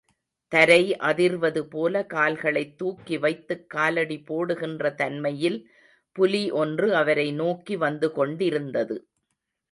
தரை அதிர்வதுபோல கால்களைத் தூக்கி வைத்துக் காலடி போடுகின்ற தன்மையில், புலி ஒன்று அவரை நோக்கி வந்து கொண்டிருந்தது.